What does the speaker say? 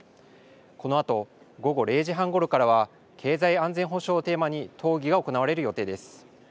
このあと午後０時半ごろからは経済安全保障をテーマに討議が行われる予定です。